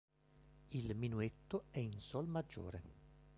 Il minuetto è in sol maggiore.